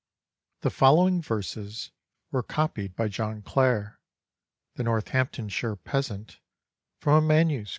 [THE following verses were copied by John Clare, the Northamptonshire peasant, from a MS.